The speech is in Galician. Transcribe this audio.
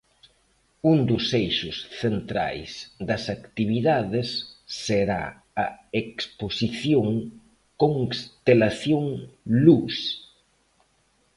Un dos eixos centrais das actividades será a exposición Constelación Luz.